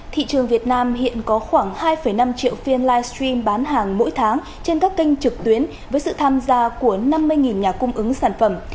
thị trường việt nam hiện có khoảng hai năm triệu phiên livestream bán hàng mỗi tháng trên các kênh trực tuyến với sự tham gia của năm mươi nhà cung ứng sản phẩm